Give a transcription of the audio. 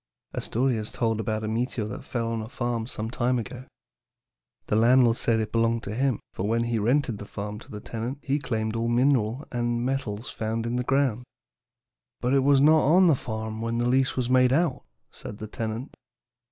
"A story is told about a meteor that fell on a farm some time ago. The landlord said it belonged to him, for when he rented the farm to the tenant he claimed all minerals and metals found in the ground. "'But it was not on the farm when the lease was made out,' said the tenant.